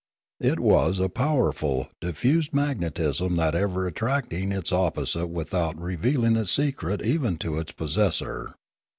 It was a powerful, diffused magnetism ever attracting its opposite without reveal ing its secret even to its possessor.